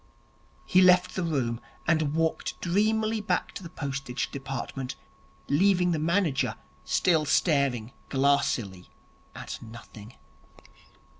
He left the room, and walked dreamily back to the Postage Department, leaving the manager still staring glassily at nothing.